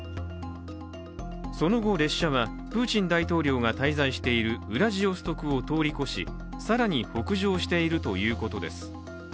その後、列車はプーチン大統領が滞在しているウラジオストクを通り越し更に北上しているということです。